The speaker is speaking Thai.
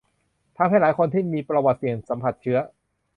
ทำให้หลายคนที่มีประวัติเสี่ยงสัมผัสเชื้อ